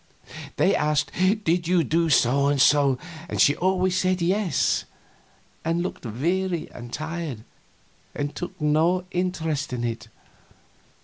They asked, "Did you do so and so?" and she always said yes, and looked weary and tired, and took no interest in it.